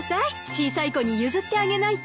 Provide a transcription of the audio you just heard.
小さい子に譲ってあげないと。